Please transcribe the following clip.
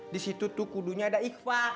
disitu tuh kudunya ada ikhwa